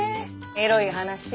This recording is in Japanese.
エロい話。